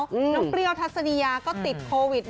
น้องเปรี้ยวทัศนียาก็ติดโควิด